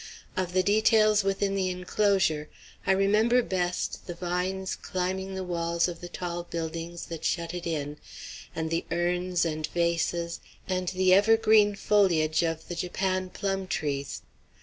Of the details within the enclosure, I remember best the vines climbing the walls of the tall buildings that shut it in, and the urns and vases, and the evergreen foliage of the Japan plum trees.